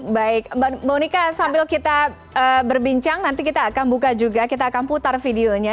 baik mbak monika sambil kita berbincang nanti kita akan buka juga kita akan putar videonya